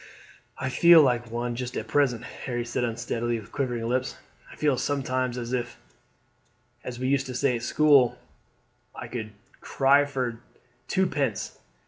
"I feel like one just at present," Harry said unsteadily with quivering lips. "I feel sometimes as if as we used to say at school I could cry for twopence.